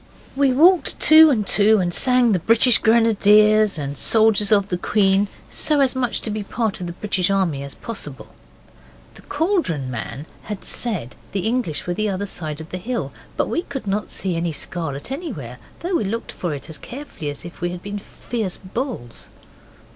We walked two and two, and sang the 'British Grenadiers' and 'Soldiers of the queen' so as to be as much part of the British Army as possible. The Cauldron Man had said the English were the other side of the hill. But we could not see any scarlet anywhere, though we looked for it as carefully as if we had been fierce bulls.